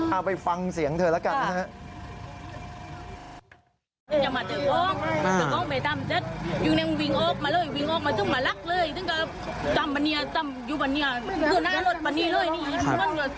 เอาไปฟังเสียงเธอแล้วกันนะฮะ